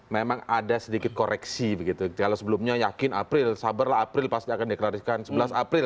memang ada sedikit koreksi begitu kalau sebelumnya yakin april sabarlah april pasti akan deklarasikan sebelas april